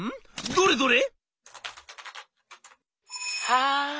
どれどれ？」。